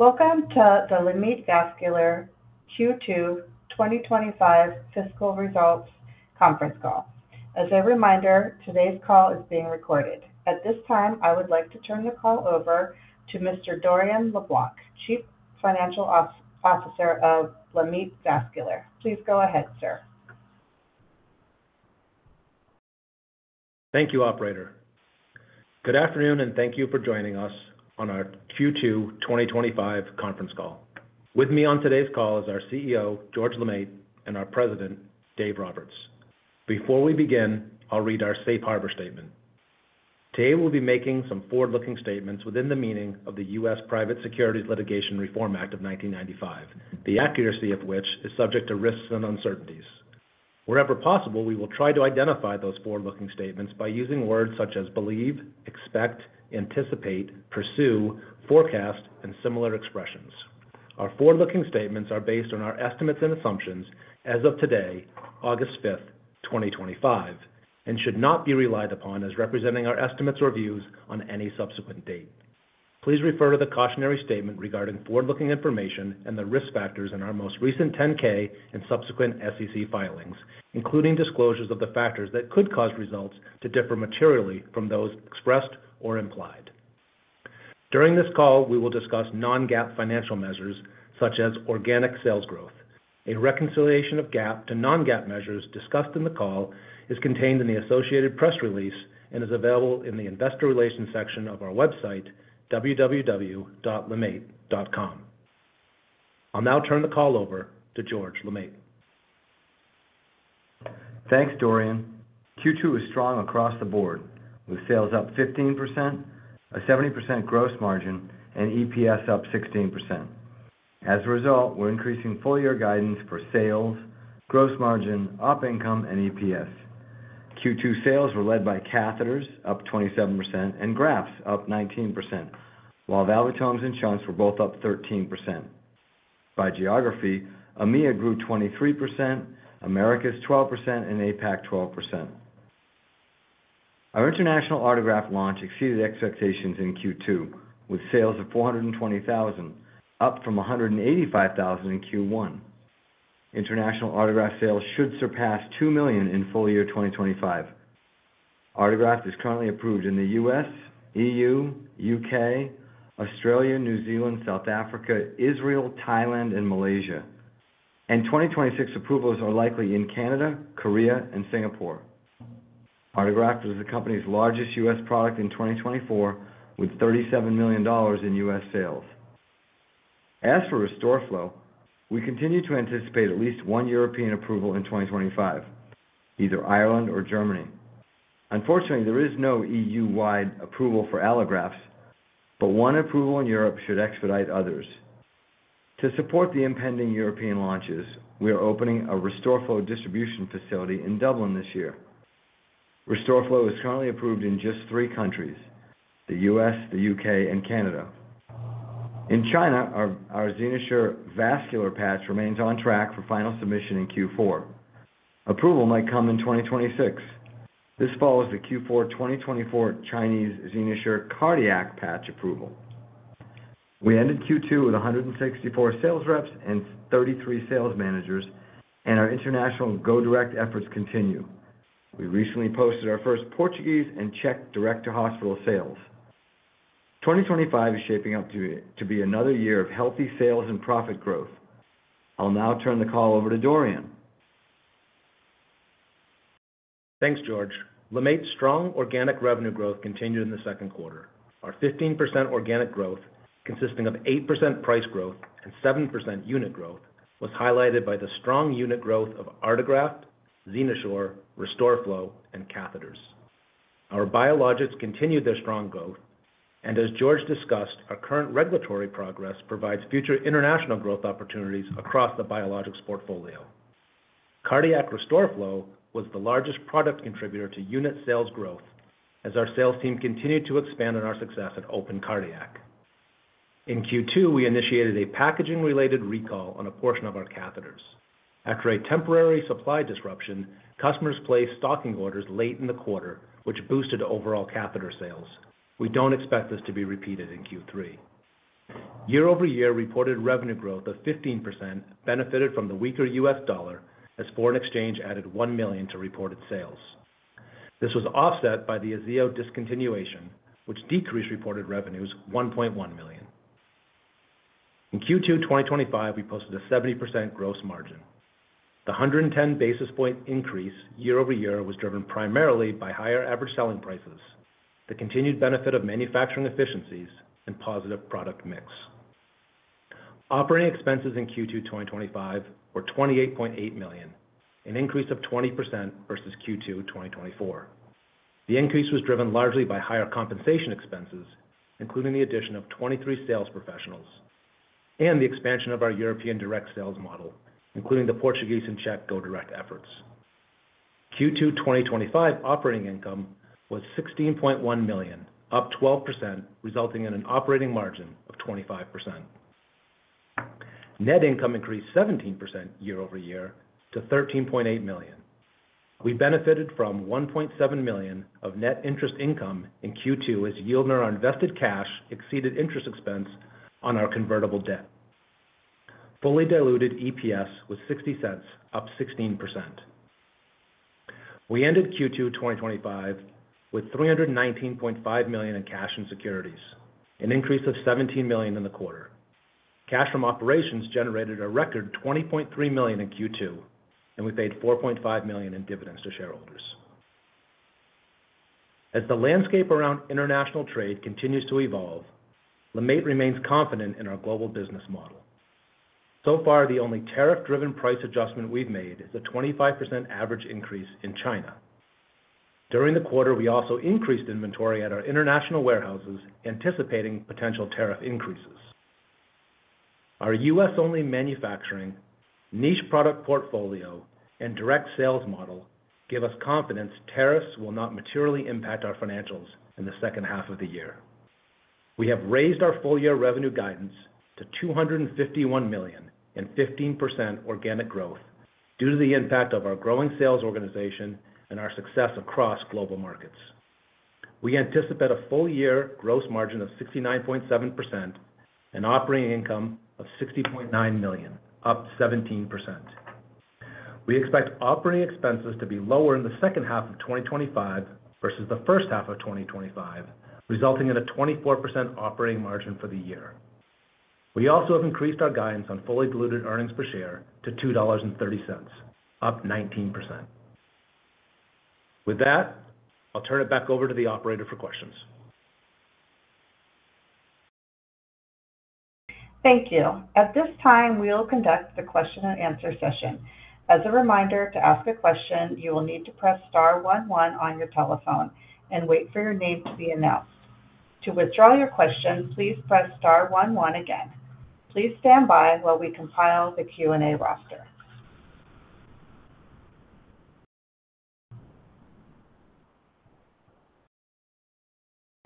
Welcome to the LeMaitre Vascular Q2 2025 fiscal results conference call. As a reminder, today's call is being recorded. At this time, I would like to turn the call over to Mr. Dorian LeBlanc, Chief Financial Officer of LeMaitre Vascular. Please go ahead, sir. Thank you, Operator. Good afternoon, and thank you for joining us on our Q2 2025 conference call. With me on today's call is our CEO, George LeMaitre, and our President, Dave Roberts. Before we begin, I'll read our Safe Harbor Statement. Today, we'll be making some forward-looking statements within the meaning of the U.S. Private Securities Litigation Reform Act of 1995, the accuracy of which is subject to risks and uncertainties. Wherever possible, we will try to identify those forward-looking statements by using words such as believe, expect, anticipate, pursue, forecast, and similar expressions. Our forward-looking statements are based on our estimates and assumptions as of today, August 5, 2025, and should not be relied upon as representing our estimates or views on any subsequent date. Please refer to the cautionary statement regarding forward-looking information and the risk factors in our most recent 10-K and subsequent SEC filings, including disclosures of the factors that could cause results to differ materially from those expressed or implied. During this call, we will discuss non-GAAP financial measures such as organic sales growth. A reconciliation of GAAP to non-GAAP measures discussed in the call is contained in the associated press release and is available in the Investor Relations section of our website, www.lemaitre.com. I'll now turn the call over to George LeMaitre. Thanks, Dorian. Q2 was strong across the board, with sales up 15%, a 70% gross margin, and EPS up 16%. As a result, we're increasing full-year guidance for sales, gross margin, operating income, and EPS. Q2 sales were led by catheters, up 27%, and grafts, up 19%, while valvulotomes and shunts were both up 13%. By geography, EMEA grew 23%, Americas 12%, and APAC 12%. Our international Autograft launch exceeded expectations in Q2, with sales of $420,000, up from $185,000 in Q1. International Autograft sales should surpass $2 million in full-year 2025. Autograft is currently approved in the U.S., EU, UK, Australia, New Zealand, South Africa, Israel, Thailand, and Malaysia, and 2026 approvals are likely in Canada, Korea, and Singapore. Autograft was the company's largest U.S. product in 2024, with $37 million in U.S. sales. As for RestoreFlow, we continue to anticipate at least one European approval in 2025, either Ireland or Germany. Unfortunately, there is no EU-wide approval for allografts, but one approval in Europe should expedite others. To support the impending European launches, we are opening a RestoreFlow distribution facility in Dublin this year. RestoreFlow is currently approved in just three countries: the U.S., the UK, and Canada. In China, our XenoSure Vascular Patch remains on track for final submission in Q4. Approval might come in 2026. This follows the Q4 2024 Chinese XenoSure Cardiac Patch approval. We ended Q2 with 164 sales reps and 33 sales managers, and our international GoDirect efforts continue. We recently posted our first Portuguese and Czech direct-to-hospital sales. 2025 is shaping up to be another year of healthy sales and profit growth. I'll now turn the call over to Dorian. Thanks, George. LeMaitre's strong organic revenue growth continued in the second quarter. Our 15% organic growth, consisting of 8% price growth and 7% unit growth, was highlighted by the strong unit growth of Autograft, Zenissure, RestoreFlow, and catheters. Our biologics continued their strong growth, and as George discussed, our current regulatory progress provides future international growth opportunities across the biologics portfolio. Cardiac RestoreFlow was the largest product contributor to unit sales growth, as our sales team continued to expand on our success at OpenCardiac. In Q2, we initiated a packaging-related recall on a portion of our catheters. After a temporary supply disruption, customers placed stocking orders late in the quarter, which boosted overall catheter sales. We don't expect this to be repeated in Q3. Year-over-year reported revenue growth of 15% benefited from the weaker U.S. dollar, as foreign exchange added $1 million to reported sales. This was offset by the Azeo discontinuation, which decreased reported revenues $1.1 million. In Q2 2025, we posted a 70% gross margin. The 110 basis point increase year-over-year was driven primarily by higher average selling prices, the continued benefit of manufacturing efficiencies, and positive product mix. Operating expenses in Q2 2025 were $28.8 million, an increase of 20% versus Q2 2024. The increase was driven largely by higher compensation expenses, including the addition of 23 sales professionals, and the expansion of our European direct sales model, including the Portuguese and Czech GoDirect efforts. Q2 2025 operating income was $16.1 million, up 12%, resulting in an operating margin of 25%. Net income increased 17% year-over-year to $13.8 million. We benefited from $1.7 million of net interest income in Q2 as yield on our invested cash exceeded interest expense on our convertible debt. Fully diluted EPS was $0.60, up 16%. We ended Q2 2025 with $319.5 million in cash and securities, an increase of $17 million in the quarter. Cash from operations generated a record $20.3 million in Q2, and we paid $4.5 million in dividends to shareholders. As the landscape around international trade continues to evolve, LeMaitre remains confident in our global business model. So far, the only tariff-driven price adjustment we've made is a 25% average increase in China. During the quarter, we also increased inventory at our international warehouses, anticipating potential tariff increases. Our U.S.-only manufacturing, niche product portfolio, and direct sales model give us confidence tariffs will not materially impact our financials in the second half of the year. We have raised our full-year revenue guidance to $251 million and 15% organic growth due to the impact of our growing sales organization and our success across global markets. We anticipate a full-year gross margin of 69.7% and operating income of $60.9 million, up 17%. We expect operating expenses to be lower in the second half of 2025 versus the first half of 2025, resulting in a 24% operating margin for the year. We also have increased our guidance on fully diluted earnings per share to $2.30, up 19%. With that, I'll turn it back over to the Operator for questions. Thank you. At this time, we'll conduct the question and answer session. As a reminder, to ask a question, you will need to press *11 on your telephone and wait for your name to be announced. To withdraw your question, please press *11 again. Please stand by while we compile the Q&A roster.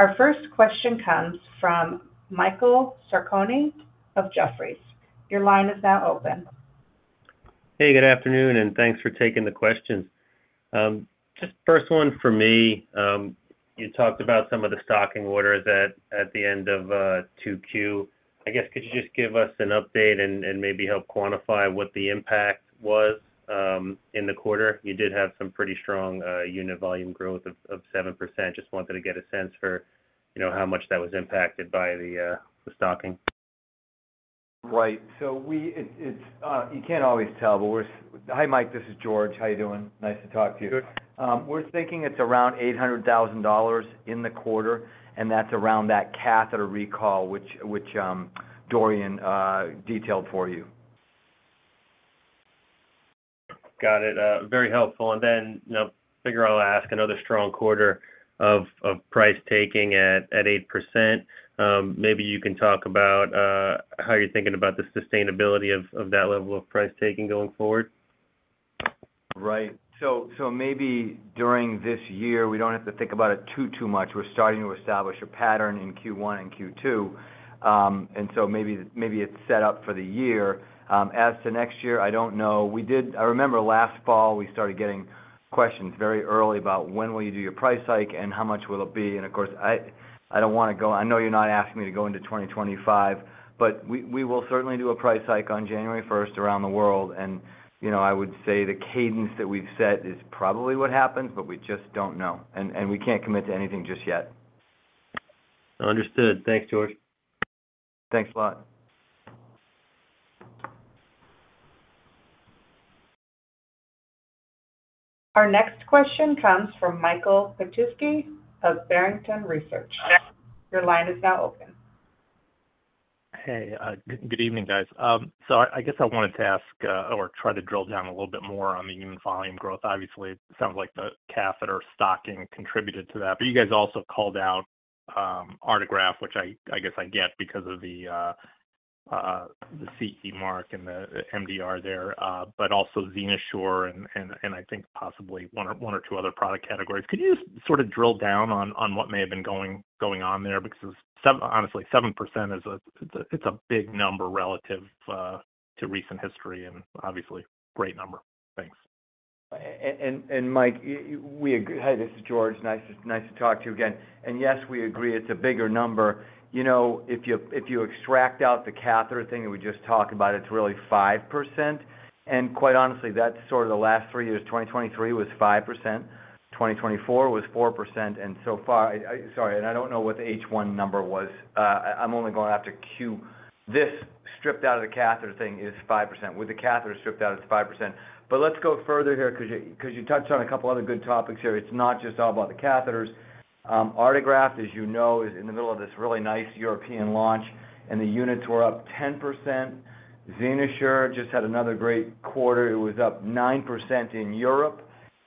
Our first question comes from Michael Sarcone of Jefferies. Your line is now open. Hey, good afternoon, and thanks for taking the questions. Just the first one for me. You talked about some of the stocking orders at the end of Q2. I guess, could you just give us an update and maybe help quantify what the impact was in the quarter? You did have some pretty strong unit volume growth of 7%. Just wanted to get a sense for, you know, how much that was impacted by the stocking. Right. You can't always tell, but we're—hi Mike, this is George. How you doing? Nice to talk to you. Good. We're thinking it's around $800,000 in the quarter, and that's around that catheter recall, which Dorian detailed for you. Got it. Very helpful. I figure I'll ask, another strong quarter of price taking at 8%. Maybe you can talk about how you're thinking about the sustainability of that level of price taking going forward. Right. Maybe during this year, we don't have to think about it too much. We're starting to establish a pattern in Q1 and Q2, so maybe it's set up for the year. As to next year, I don't know. I remember last fall we started getting questions very early about when will you do your price hike and how much will it be. Of course, I don't want to go, I know you're not asking me to go into 2025, but we will certainly do a price hike on January 1st around the world. I would say the cadence that we've set is probably what happens, but we just don't know and we can't commit to anything just yet. Understood. Thanks, George. Thanks a lot. Our next question comes from Michael Petusky of Barrington Research. Your line is now open. Hey, good evening, guys. I wanted to ask, or try to drill down a little bit more on the human volume growth. Obviously, it sounds like the catheter stocking contributed to that, but you guys also called out Autograft, which I guess I get because of the CE mark and the MDR there, but also Zenissure and I think possibly one or two other product categories. Could you just sort of drill down on what may have been going on there? Because 7%, honestly, is a big number relative to recent history and obviously a great number. Thanks. Mike, we agree. Hi, this is George. Nice to talk to you again. Yes, we agree, it's a bigger number. If you extract out the catheter thing that we just talked about, it's really 5%. Quite honestly, that's sort of the last three years. 2023 was 5%. 2024 was 4%. So far, I don't know what the H1 number was. I'm only going after Q. This stripped out of the catheter thing is 5%. With the catheter stripped out, it's 5%. Let's go further here because you touched on a couple other good topics here. It's not just all about the catheters. Autograft, as you know, is in the middle of this really nice European launch, and the units were up 10%. Zenissure just had another great quarter. It was up 9% in Europe,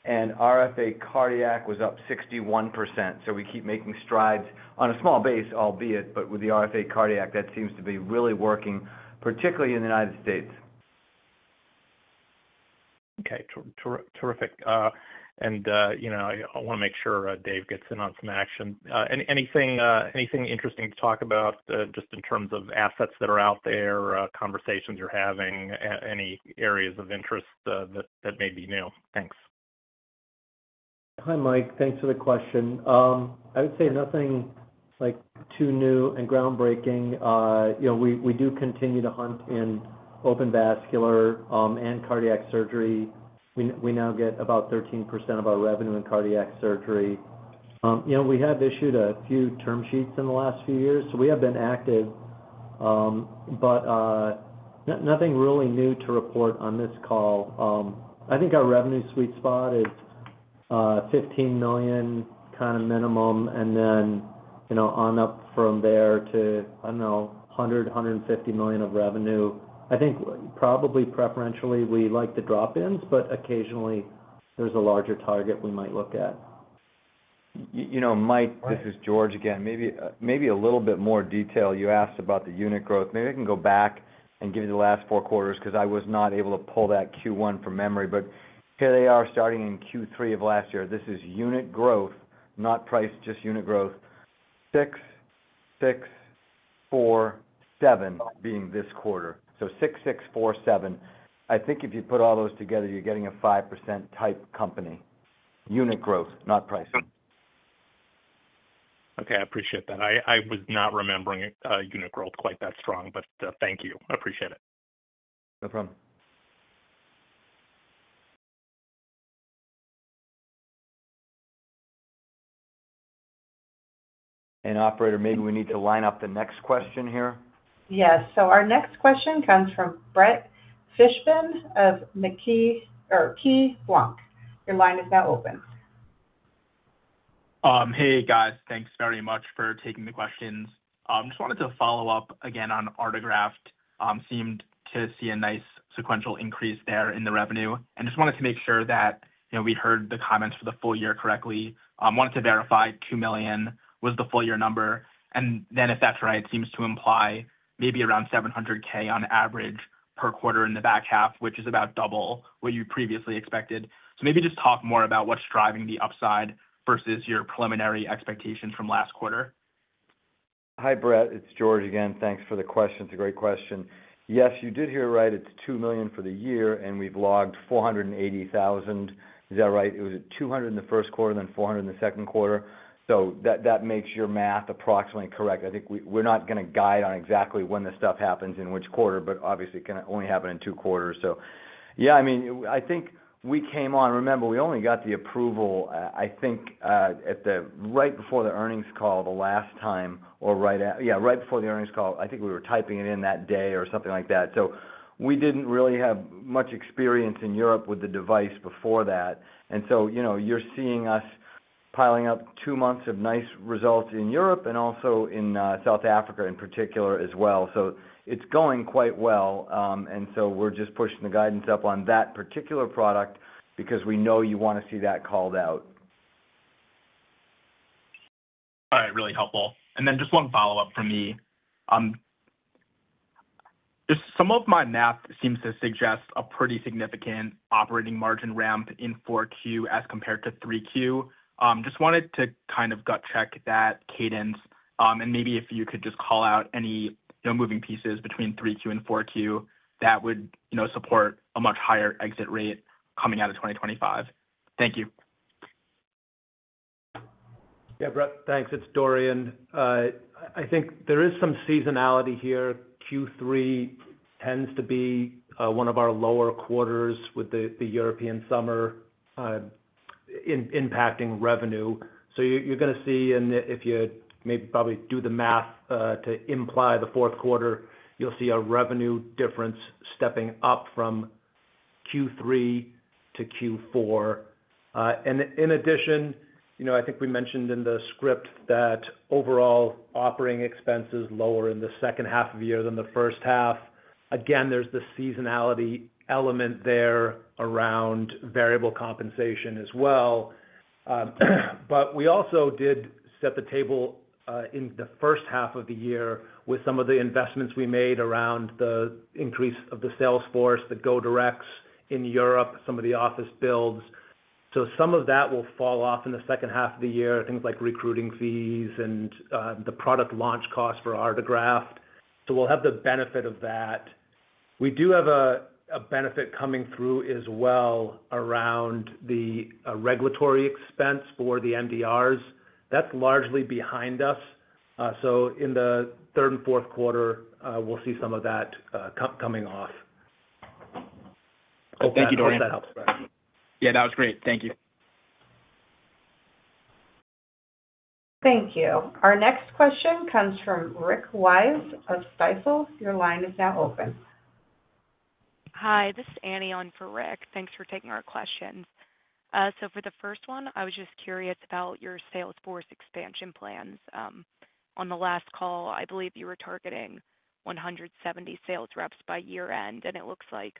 and RFA Cardiac was up 61%. We keep making strides on a small base, albeit, but with the RFA Cardiac, that seems to be really working, particularly in the United States. Okay, terrific. I want to make sure Dave gets in on some action. Anything interesting to talk about just in terms of assets that are out there, conversations you're having, any areas of interest that may be new. Thanks. Hi, Mike. Thanks for the question. I would say nothing too new and groundbreaking. We do continue to hunt in open vascular and cardiac surgery. We now get about 13% of our revenue in cardiac surgery. We have issued a few term sheets in the last few years, so we have been active. Nothing really new to report on this call. I think our revenue sweet spot is $15 million kind of minimum, and then on up from there to, I don't know, $100 million, $150 million of revenue. I think probably preferentially we like the drop-ins, but occasionally there's a larger target we might look at. You know, Mike, this is George again. Maybe a little bit more detail. You asked about the unit growth. Maybe I can go back and give you the last four quarters because I was not able to pull that Q1 from memory, but here they are starting in Q3 of last year. This is unit growth, not price, just unit growth: 6, 6, 4, 7, being this quarter. So 6, 6, 4, 7. I think if you put all those together, you're getting a 5% type company. Unit growth, not pricing. Okay, I appreciate that. I was not remembering unit growth quite that strong, but thank you. I appreciate it. No problem. Operator, maybe we need to line up the next question here. Yes, our next question comes from Brett Fishbin of KeyBanc. Your line is now open. Hey guys, thanks very much for taking the questions. I just wanted to follow up again on Autograft. Seemed to see a nice sequential increase there in the revenue. I just wanted to make sure that, you know, we heard the comments for the full year correctly. I wanted to verify $2 million was the full year number. If that's right, it seems to imply maybe around $700,000 on average per quarter in the back half, which is about double what you previously expected. Maybe just talk more about what's driving the upside versus your preliminary expectations from last quarter. Hi Brett, it's George again. Thanks for the question. It's a great question. Yes, you did hear right. It's $2 million for the year and we've logged $480,000. Is that right? It was at $200,000 in the first quarter and then $400,000 in the second quarter. That makes your math approximately correct. I think we're not going to guide on exactly when the stuff happens in which quarter, but obviously it can only happen in two quarters. I mean, I think we came on, remember we only got the approval, I think, right before the earnings call the last time or right at, yeah, right before the earnings call. I think we were typing it in that day or something like that. We didn't really have much experience in the EU with the device before that. You know, you're seeing us piling up two months of nice results in the EU and also in South Africa in particular as well. It's going quite well. We're just pushing the guidance up on that particular product because we know you want to see that called out. All right, really helpful. Just one follow-up from me. Some of my math seems to suggest a pretty significant operating margin ramp in 4Q as compared to 3Q. I just wanted to kind of gut check that cadence. Maybe if you could just call out any moving pieces between 3Q and 4Q that would support a much higher exit rate coming out of 2025. Thank you. Yeah, Brett, thanks. It's Dorian. I think there is some seasonality here. Q3 tends to be one of our lower quarters with the European summer impacting revenue. You're going to see, and if you maybe probably do the math to imply the fourth quarter, you'll see a revenue difference stepping up from Q3 to Q4. In addition, I think we mentioned in the script that overall operating expenses are lower in the second half of the year than the first half. Again, there's the seasonality element there around variable compensation as well. We also did set the table in the first half of the year with some of the investments we made around the increase of the sales force, the GoDirects in Europe, some of the office builds. Some of that will fall off in the second half of the year, things like recruiting fees and the product launch costs for Autograft. We'll have the benefit of that. We do have a benefit coming through as well around the regulatory expense for the MDRs. That's largely behind us. In the third and fourth quarter, we'll see some of that coming off. Thank you, Dorian. Yeah, that was great. Thank you. Thank you. Our next question comes from Rick Wise of Stifel. Your line is now open. Hi, this is Annie on for Rick. Thanks for taking our questions. For the first one, I was just curious about your sales force expansion plans. On the last call, I believe you were targeting 170 sales reps by year end, and it looks like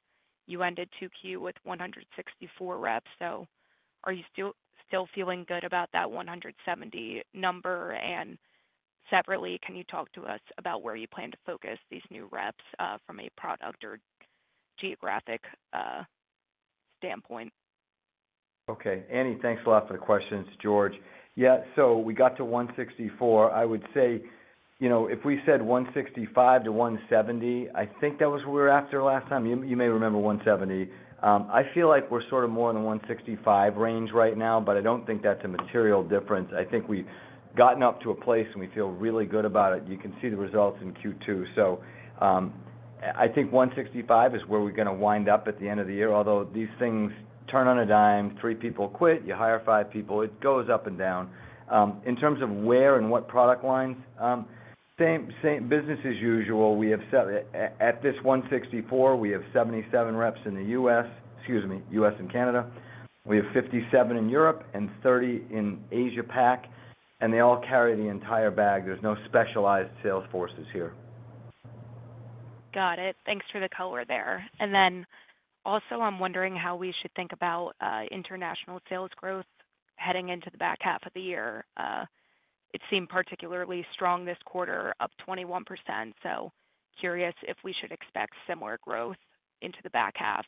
you ended Q2 with 164 reps. Are you still feeling good about that 170 number? Separately, can you talk to us about where you plan to focus these new reps from a product or geographic standpoint? Okay, Annie, thanks a lot for the questions, George. Yeah, so we got to 164. I would say, you know, if we said 165 to 170, I think that was what we were after last time. You may remember 170. I feel like we're sort of more in the 165 range right now, but I don't think that's a material difference. I think we've gotten up to a place and we feel really good about it. You can see the results in Q2. I think 165 is where we're going to wind up at the end of the year, although these things turn on a dime. Three people quit, you hire five people, it goes up and down. In terms of where and what product lines, same, same business as usual. We have set, at this 164, we have 77 reps in the U.S. and Canada. We have 57 in Europe and 30 in Asia Pac, and they all carry the entire bag. There's no specialized sales forces here. Got it. Thanks for the color there. I'm wondering how we should think about international sales growth heading into the back half of the year. It seemed particularly strong this quarter, up 21%. Curious if we should expect similar growth into the back half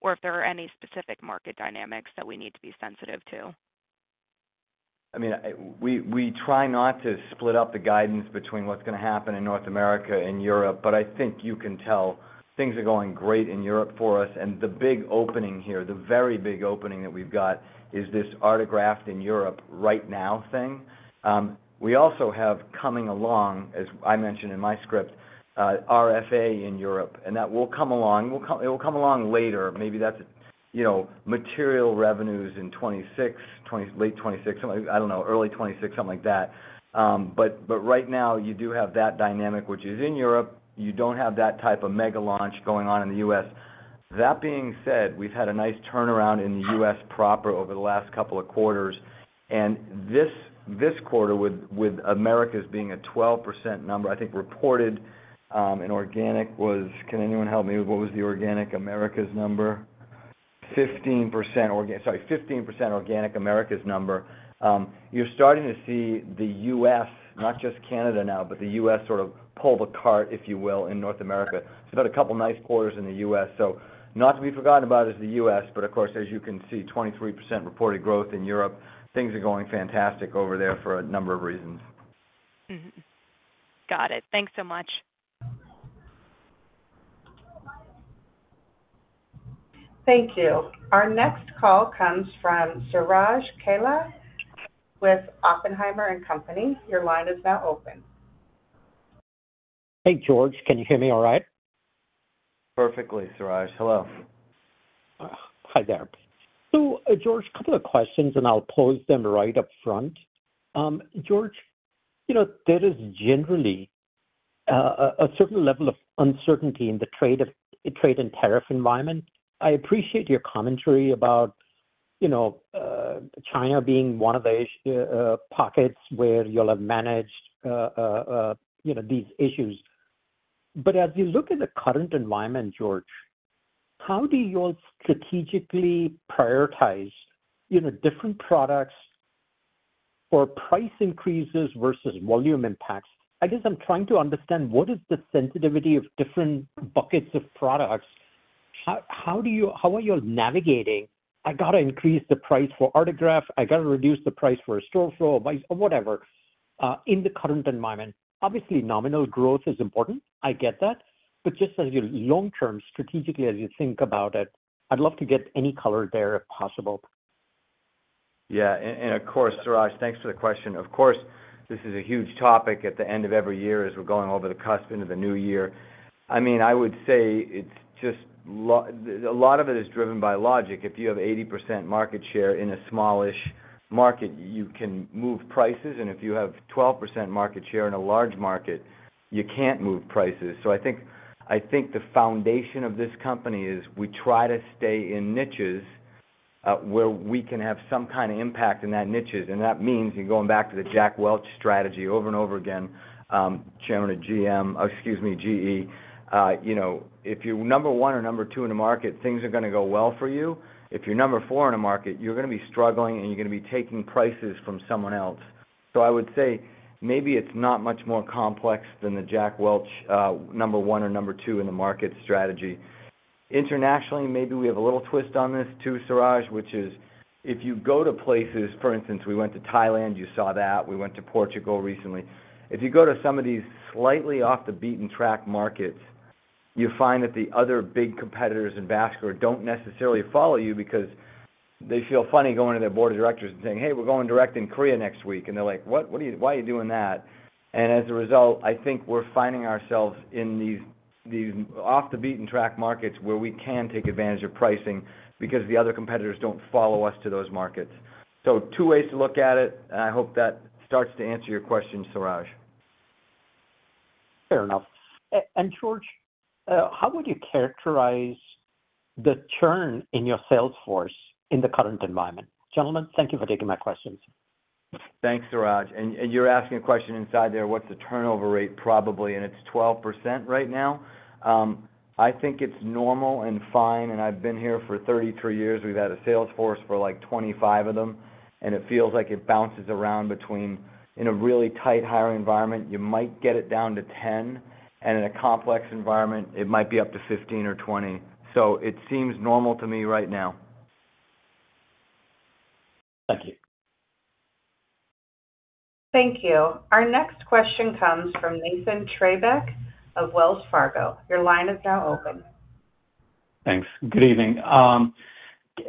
or if there are any specific market dynamics that we need to be sensitive to. I mean, we try not to split up the guidance between what's going to happen in North America and Europe, but I think you can tell things are going great in Europe for us. The big opening here, the very big opening that we've got is this Autograft in Europe right now thing. We also have coming along, as I mentioned in my script, RFA in Europe, and that will come along. It will come along later. Maybe that's, you know, material revenues in 2026, late 2026, I don't know, early 2026, something like that. Right now you do have that dynamic, which is in Europe. You don't have that type of mega launch going on in the U.S. That being said, we've had a nice turnaround in the U.S. proper over the last couple of quarters. This quarter with America's being a 12% number, I think reported, in organic was, can anyone help me? What was the organic America's number? 15% organic, sorry, 15% organic America's number. You're starting to see the U.S., not just Canada now, but the U.S. sort of pull the cart, if you will, in North America. I've had a couple of nice quarters in the U.S. Not to be forgotten about is the U.S., but of course, as you can see, 23% reported growth in Europe. Things are going fantastic over there for a number of reasons. Got it. Thanks so much. Thank you. Our next call comes from Suraj Kalia with Oppenheimer. Your line is now open. Hey, George. Can you hear me all right? Perfectly, Suraj. Hello. Hi there. George, a couple of questions, and I'll pose them right up front. George, you know, there is generally a certain level of uncertainty in the trade and tariff environment. I appreciate your commentary about, you know, China being one of those pockets where you'll have managed, you know, these issues. As you look at the current environment, George, how do you all strategically prioritize, you know, different products for price increases versus volume impacts? I guess I'm trying to understand what is the sensitivity of different buckets of products. How are you all navigating? I got to increase the price for Autograft. I got to reduce the price for RestoreFlow, whatever, in the current environment. Obviously, nominal growth is important. I get that. Just as your long-term strategically, as you think about it, I'd love to get any color there if possible. Yeah, and of course, Suraj, thanks for the question. This is a huge topic at the end of every year as we're going over the cusp into the new year. I would say a lot of it is driven by logic. If you have 80% market share in a smallish market, you can move prices, and if you have 12% market share in a large market, you can't move prices. I think the foundation of this company is we try to stay in niches where we can have some kind of impact in that niche. That means going back to the Jack Welch strategy over and over again, Chairman of GE, you know, if you're number one or number two in the market, things are going to go well for you. If you're number four in the market, you're going to be struggling and you're going to be taking prices from someone else. I would say maybe it's not much more complex than the Jack Welch, number one or number two in the market strategy. Internationally, maybe we have a little twist on this too, Suraj, which is if you go to places, for instance, we went to Thailand, you saw that, we went to Portugal recently. If you go to some of these slightly off the beaten track markets, you find that the other big competitors in Vascular don't necessarily follow you because they feel funny going to their board of directors and saying, "Hey, we're going direct in Korea next week." They're like, "What? What are you, why are you doing that?" As a result, I think we're finding ourselves in these off the beaten track markets where we can take advantage of pricing because the other competitors don't follow us to those markets. Two ways to look at it. I hope that starts to answer your question, Suraj. Fair enough. George, how would you characterize the churn in your sales force in the current environment? Gentlemen, thank you for taking my questions. Thanks, Suraj. You're asking a question inside there, what's the turnover rate probably, and it's 12% right now. I think it's normal and fine. I've been here for 33 years. We've had a sales force for like 25 of them, and it feels like it bounces around between, in a really tight hiring environment, you might get it down to 10%, and in a complex environment, it might be up to 15% or 20%. It seems normal to me right now. Thank you. Thank you. Our next question comes from Nathan Treybeck of Wells Fargo. Your line is now open. Thanks. Good evening.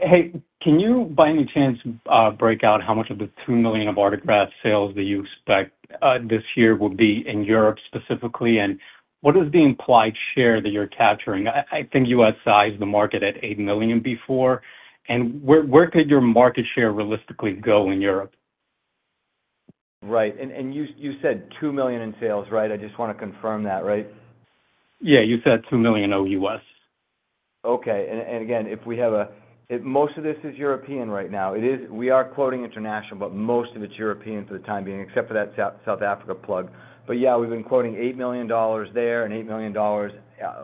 Hey, can you by any chance break out how much of the $2 million of Autograft sales that you expect this year will be in Europe specifically, and what is the implied share that you're capturing? I think you outsized the market at $8 million before, and where could your market share realistically go in Europe? Right, and you said $2 million in sales, right? I just want to confirm that, right? Yeah, you said $2 million O.U.S. Okay, if we have a, most of this is European right now. It is, we are quoting international, but most of it's European for the time being, except for that South Africa plug. We've been quoting $8 million there and $8 million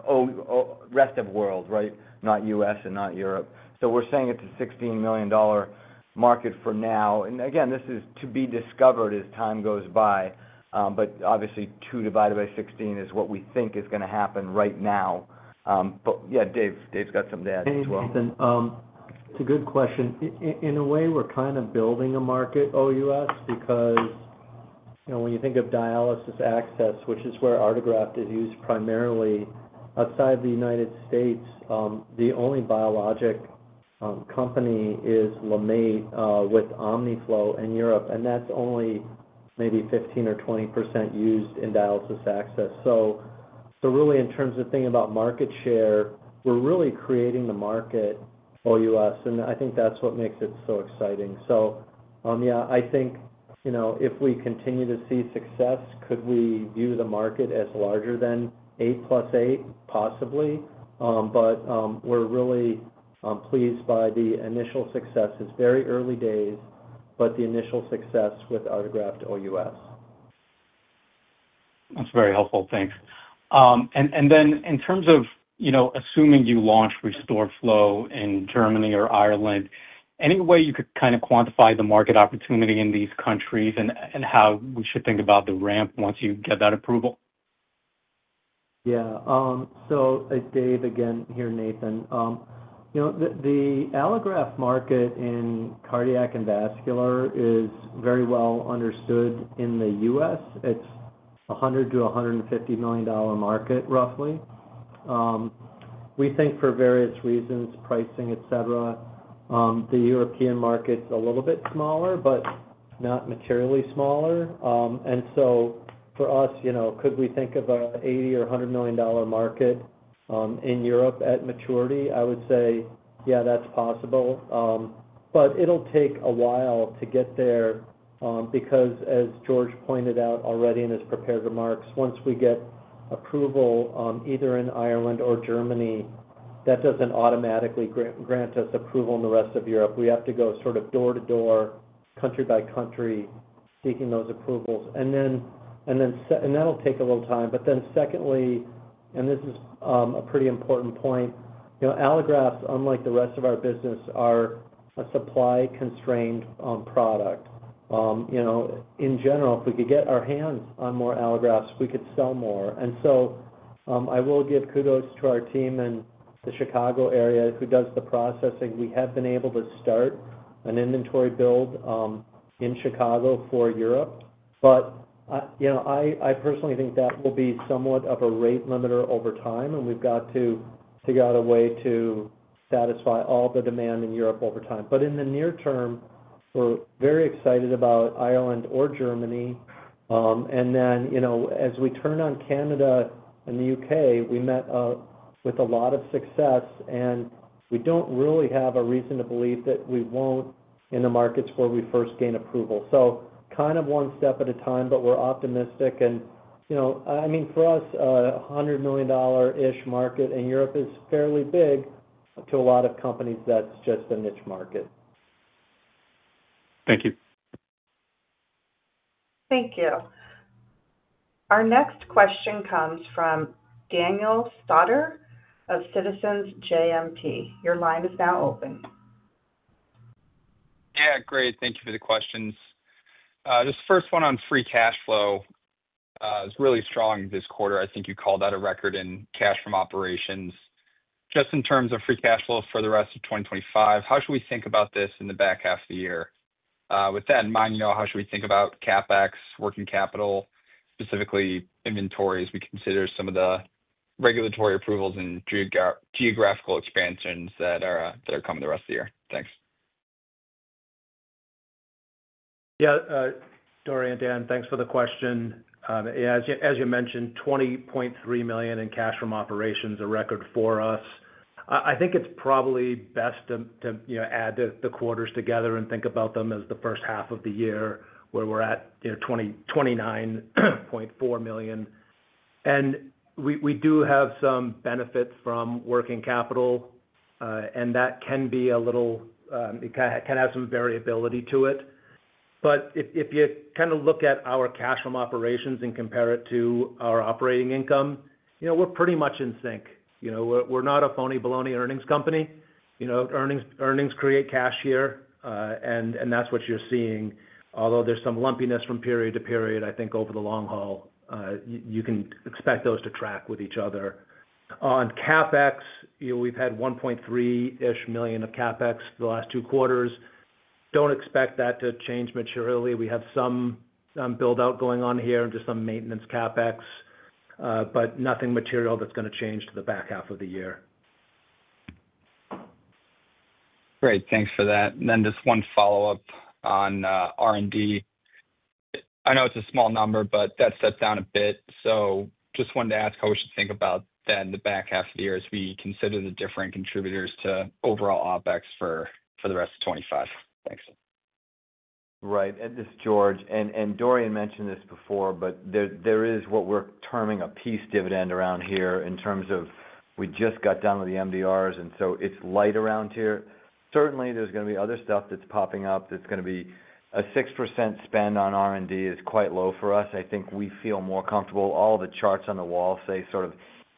O rest of the world, right? Not U.S. and not Europe. We're saying it's a $16 million market for now. This is to be discovered as time goes by. Obviously, 2 divided by 16 is what we think is going to happen right now. Dave's got some data as well. Thanks, Nathan. It's a good question. In a way, we're kind of building a market OUS because, you know, when you think of dialysis access, which is where Autograft is used primarily outside the U.S., the only biologic company is LeMaitre with Omniflow in Europe, and that's only maybe 15% or 20% used in dialysis access. Really, in terms of thinking about market share, we're really creating the market OUS, and I think that's what makes it so exciting. Yeah, I think, you know, if we continue to see success, could we view the market as larger than 8 plus 8? Possibly. We're really pleased by the initial success. It's very early days, but the initial success with Autograft OUS. That's very helpful. Thanks. In terms of, you know, assuming you launch RestoreFlow in Germany or Ireland, any way you could kind of quantify the market opportunity in these countries and how we should think about the ramp once you get that approval? Yeah, so Dave again here, Nathan. You know, the allograft market in cardiac and vascular is very well understood in the U.S. It's a $100 million-$150 million market, roughly. We think for various reasons, pricing, etc. The European market's a little bit smaller, but not materially smaller. For us, you know, could we think of an $80 or $100 million market in Europe at maturity? I would say, yeah, that's possible. It'll take a while to get there, because as George pointed out already in his prepared remarks, once we get approval either in Ireland or Germany, that doesn't automatically grant us approval in the rest of Europe. We have to go sort of door to door, country by country, seeking those approvals. That'll take a little time. Secondly, and this is a pretty important point, you know, allografts, unlike the rest of our business, are a supply-constrained product. In general, if we could get our hands on more allografts, we could sell more. I will give kudos to our team in the Chicago area who does the processing. We have been able to start an inventory build in Chicago for Europe. I personally think that will be somewhat of a rate limiter over time, and we've got to figure out a way to satisfy all the demand in Europe over time. In the near term, we're very excited about Ireland or Germany. As we turn on Canada and the UK, we met with a lot of success, and we don't really have a reason to believe that we won't in the markets where we first gain approval. Kind of one step at a time, but we're optimistic. For us, a $100 million-ish market in Europe is fairly big. To a lot of companies, that's just a niche market. Thank you. Thank you. Our next question comes from Danny Stauder of Citizens JMP. Your line is now open. Great, thank you for the questions. This first one on free cash flow is really strong this quarter. I think you called out a record in cash from operations. Just in terms of free cash flow for the rest of 2025, how should we think about this in the back half of the year? With that in mind, you know, how should we think about CapEx, working capital, specifically inventory as we consider some of the regulatory approvals and geographical expansions that are coming the rest of the year? Thanks. Yeah, Dorian, Dan, thanks for the question. Yeah, as you mentioned, $20.3 million in cash from operations, a record for us. I think it's probably best to add the quarters together and think about them as the first half of the year where we're at $29.4 million. We do have some benefits from working capital, and that can be a little, it can have some variability to it. If you kind of look at our cash from operations and compare it to our operating income, we're pretty much in sync. We're not a phony baloney earnings company. Earnings create cash here, and that's what you're seeing. Although there's some lumpiness from period to period, I think over the long haul, you can expect those to track with each other. On CapEx, we've had $1.3-ish million of CapEx the last two quarters. Don't expect that to change materially. We have some build-out going on here and just some maintenance CapEx, but nothing material that's going to change to the back half of the year. Great, thanks for that. Just one follow-up on R&D. I know it's a small number, but that's down a bit. I just wanted to ask how we should think about the back half of the year as we consider the different contributors to overall OpEx for the rest of 2025. Thanks. Right, and this is George, and Dorian mentioned this before, but there is what we're terming a peace dividend around here in terms of we just got done with the MDRs, and so it's light around here. Certainly, there's going to be other stuff that's popping up that's going to be a 6% spend on R&D is quite low for us. I think we feel more comfortable. All the charts on the wall say sort of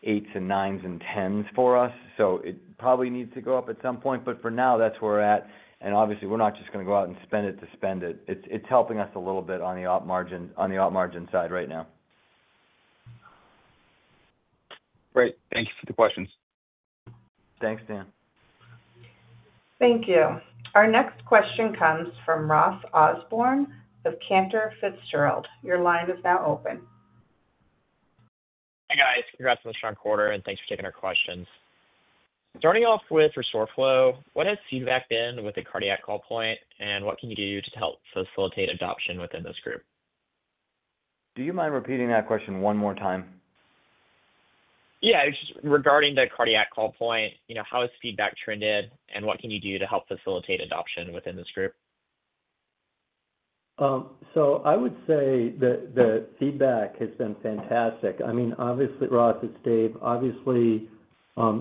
8s and 9s and 10s for us. It probably needs to go up at some point, but for now, that's where we're at. Obviously, we're not just going to go out and spend it to spend it. It's helping us a little bit on the op margin side right now. Great, thank you for the questions. Thanks, Dan. Thank you. Our next question comes from Ross Osborne of Cantor Fitzgerald. Your line is now open. Hey guys, congrats on the strong quarter, and thanks for taking our questions. Starting off with RestoreFlow, what has feedback been with the cardiac call point, and what can you do to help facilitate adoption within this group? Do you mind repeating that question one more time? Yeah, it's just regarding the cardiac call point. You know, how has feedback trended, and what can you do to help facilitate adoption within this group? I would say that the feedback has been fantastic. Obviously, Roth, it's Dave. Obviously,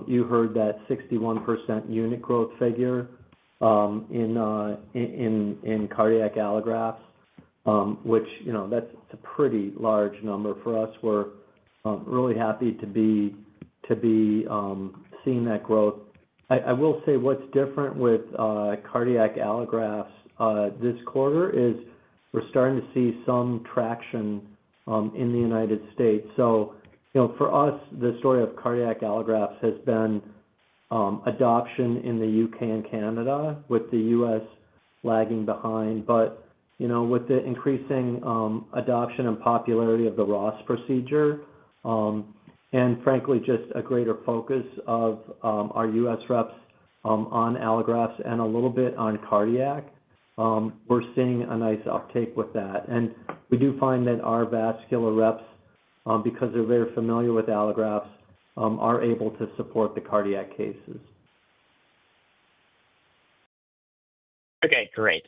you heard that 61% unit growth figure in cardiac allografts, which, you know, that's a pretty large number for us. We're really happy to be seeing that growth. I will say what's different with cardiac allografts this quarter is we're starting to see some traction in the U.S. For us, the story of cardiac allografts has been adoption in the UK and Canada, with the U.S. lagging behind. With the increasing adoption and popularity of the ROS procedure, and frankly, just a greater focus of our U.S. reps on allografts and a little bit on cardiac, we're seeing a nice uptake with that. We do find that our vascular reps, because they're very familiar with allografts, are able to support the cardiac cases. Okay, great.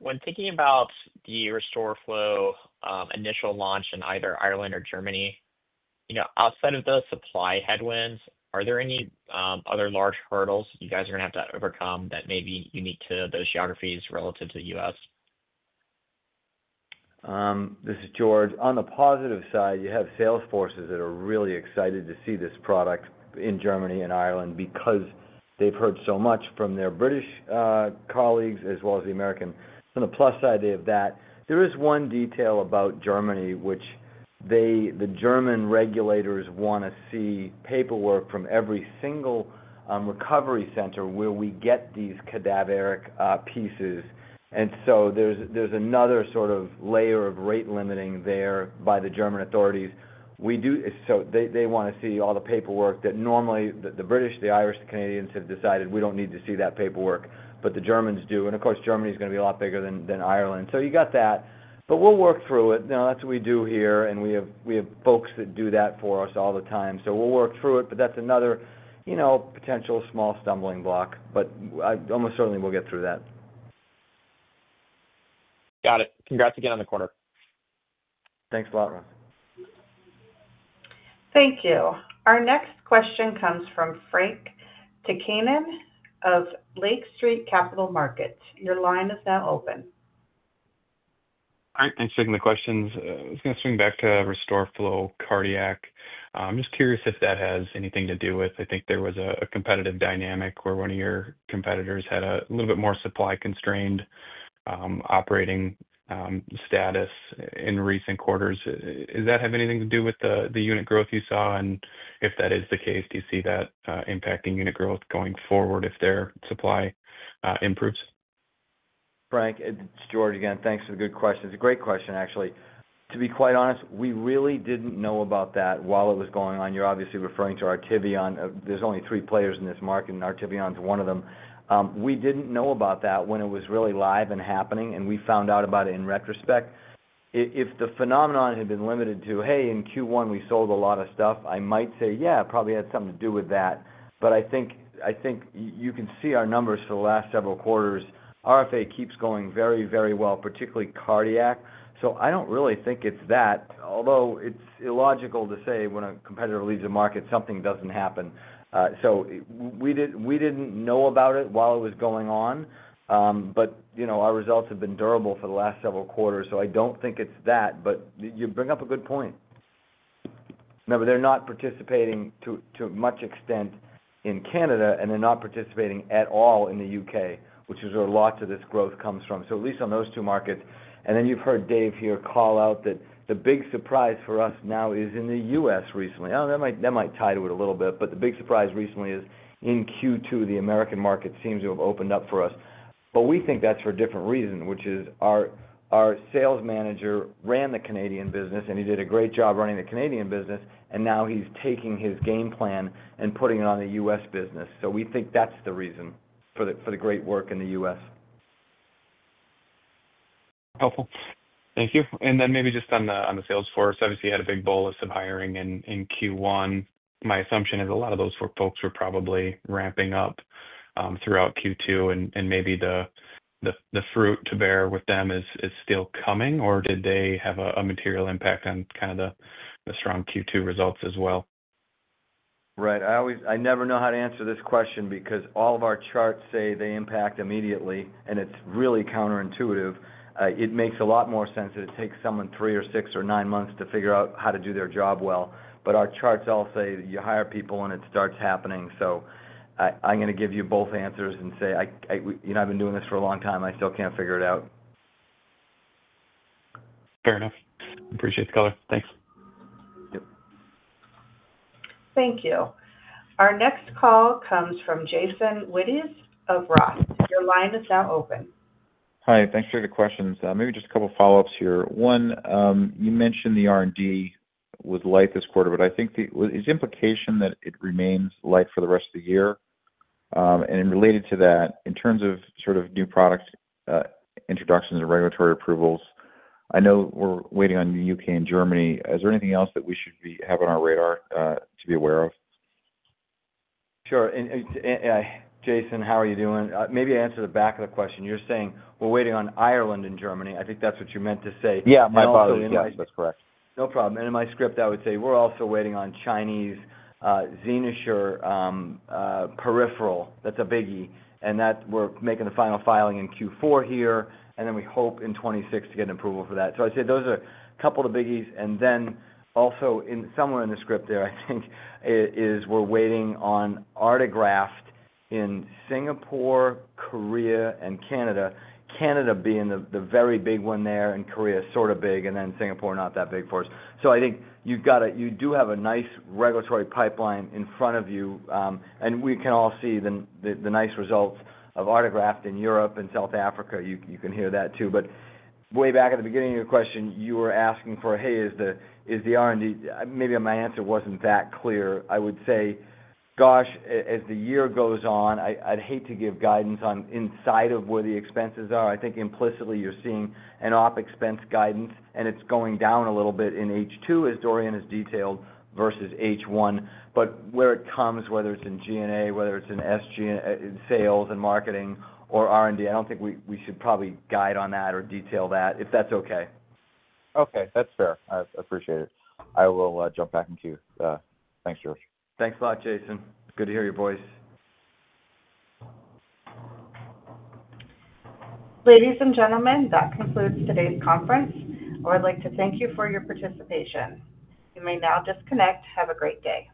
When thinking about the RestoreFlow initial launch in either Ireland or Germany, outside of the supply headwinds, are there any other large hurdles you guys are going to have to overcome that may be unique to those geographies relative to the U.S.? This is George. On the positive side, you have sales forces that are really excited to see this product in Germany and Ireland because they've heard so much from their British colleagues as well as the American. On the plus side of that, there is one detail about Germany, which the German regulators want to see paperwork from every single recovery center where we get these cadaveric pieces. There is another sort of layer of rate limiting there by the German authorities. They want to see all the paperwork that normally the British, the Irish, the Canadians have decided we don't need to see that paperwork, but the Germans do. Germany is going to be a lot bigger than Ireland. You got that. We'll work through it. That's what we do here, and we have folks that do that for us all the time. We'll work through it, but that's another potential small stumbling block. I almost certainly will get through that. Got it. Congrats again on the quarter. Thanks a lot, ROTH. Thank you. Our next question comes from Frank Takkinen of Lake Street. Your line is now open. Thanks for taking the questions. I was going to swing back to RestoreFlow cardiac. I'm just curious if that has anything to do with, I think there was a competitive dynamic where one of your competitors had a little bit more supply-constrained operating status in recent quarters. Does that have anything to do with the unit growth you saw? If that is the case, do you see that impacting unit growth going forward if their supply improves? Frank, it's George again. Thanks for the good question. It's a great question, actually. To be quite honest, we really didn't know about that while it was going on. You're obviously referring to Artivion. There are only three players in this market, and Artivion is one of them. We didn't know about that when it was really live and happening, and we found out about it in retrospect. If the phenomenon had been limited to, hey, in Q1 we sold a lot of stuff, I might say, yeah, it probably had something to do with that. I think you can see our numbers for the last several quarters. RFA keeps going very, very well, particularly cardiac. I don't really think it's that, although it's illogical to say when a competitor leaves a market, something doesn't happen. We didn't know about it while it was going on, but our results have been durable for the last several quarters. I don't think it's that, but you bring up a good point. Remember, they're not participating to too much extent in Canada, and they're not participating at all in the UK, which is where lots of this growth comes from, at least on those two markets. You've heard Dave here call out that the big surprise for us now is in the U.S. recently. That might tie to it a little bit, but the big surprise recently is in Q2, the American market seems to have opened up for us. We think that's for a different reason, which is our sales manager ran the Canadian business, and he did a great job running the Canadian business, and now he's taking his game plan and putting it on the U.S. business. We think that's the reason for the great work in the U.S. Helpful. Thank you. Maybe just on the sales force, obviously you had a big bowl of some hiring in Q1. My assumption is a lot of those folks were probably ramping up throughout Q2, and maybe the fruit to bear with them is still coming, or did they have a material impact on kind of the strong Q2 results as well? Right. I never know how to answer this question because all of our charts say they impact immediately, and it's really counterintuitive. It makes a lot more sense that it takes someone three or six or nine months to figure out how to do their job well. Our charts all say you hire people and it starts happening. I'm going to give you both answers and say, you know, I've been doing this for a long time. I still can't figure it out. Fair enough. Appreciate the color. Thanks. Thank you. Our next call comes from Jason Wittes of ROTH Capital Partners. Your line is now open. Hi, thanks for the questions. Maybe just a couple of follow-ups here. One, you mentioned the R&D was light this quarter, but I think the implication is that it remains light for the rest of the year. Related to that, in terms of sort of new product introductions and regulatory approvals, I know we're waiting on the UK and Germany. Is there anything else that we should have on our radar to be aware of? Sure. Jason, how are you doing? Maybe I answer the back of the question. You're saying we're waiting on Ireland and Germany. I think that's what you meant to say. My apologies, that's correct. No problem. In my script, I would say we're also waiting on Chinese Zenissure peripheral. That's a biggie. We're making the final filing in Q4 here, and we hope in 2026 to get an approval for that. I'd say those are a couple of the biggies. Also, somewhere in the script there, I think it is we're waiting on Autograft in Singapore, Korea, and Canada. Canada being the very big one there, Korea is sort of big, and Singapore is not that big for us. I think you've got to, you do have a nice regulatory pipeline in front of you. We can all see the nice results of Autograft in Europe and South Africa. You can hear that too. Way back at the beginning of your question, you were asking for, hey, is the R&D, maybe my answer wasn't that clear. I would say, gosh, as the year goes on, I'd hate to give guidance on inside of where the expenses are. I think implicitly you're seeing an OpEx guidance, and it's going down a little bit in H2, as Dorian has detailed, versus H1. Where it comes, whether it's in G&A, whether it's in SG, in sales and marketing, or R&D, I don't think we should probably guide on that or detail that, if that's okay. Okay, that's fair. I appreciate it. I will jump back in queue. Thanks, George. Thanks a lot, Jason. Good to hear your voice. Ladies and gentlemen, that concludes today's conference. I would like to thank you for your participation. You may now disconnect. Have a great day.